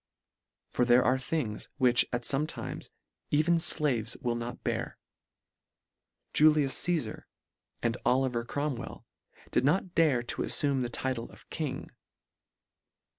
For there are things, which, at fome times, even ilaves will not bear. Julius Ca?sar and Oli ver Cromwell did not dare to alfume the title of King.